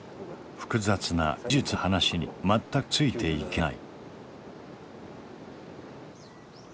複雑な技術の話に全くついていけない。